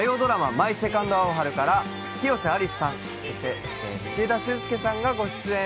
「マイ・セカンド・アオハル」から広瀬アリスさん、道枝駿佑さんが登場。